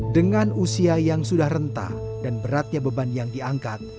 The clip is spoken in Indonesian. dengan usia yang sudah rentah dan beratnya beban yang diangkat